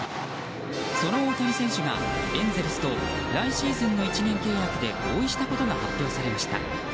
その大谷選手がエンゼルスと来シーズンの１年契約で合意したことが発表されました。